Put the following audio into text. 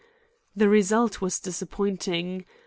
The result was disappointing.